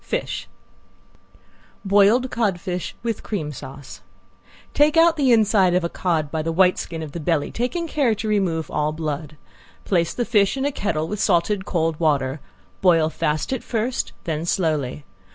FISH ~BOILED CODFISH, WITH CREAM SAUCE~ Take out the inside of a cod by the white skin of the belly, taking care to remove all blood. Place the fish in a kettle with salted cold water; boil fast at first, then slowly.